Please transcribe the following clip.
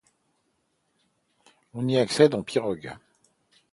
On y accède en pirogue.